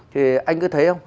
thì anh cứ thấy không